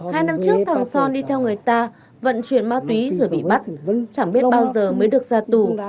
hai năm trước thằng son đi theo người ta vận chuyển ma túy rồi bị mất chẳng biết bao giờ mới được ra tù